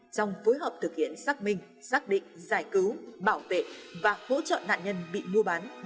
trong phối hợp thực hiện xác minh xác định giải cứu bảo vệ và hỗ trợ nạn nhân bị mua bán